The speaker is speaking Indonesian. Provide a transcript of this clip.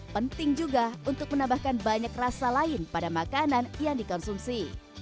penting juga untuk menambahkan banyak rasa lain pada makanan yang dikonsumsi